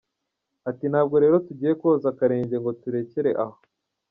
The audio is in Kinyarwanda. Ati "Ntabwo rero tugiye koza akarenge ngo turekere aho.